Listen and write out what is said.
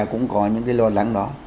cũng có những cái lo lắng đó